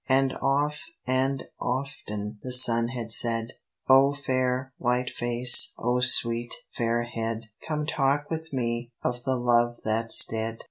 And oft and often the sun had said "O fair, white face, O sweet, fair head, Come talk with me of the love that's dead."